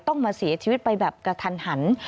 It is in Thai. ต้องมาเสียชีวิตไปแบบกระทันหัน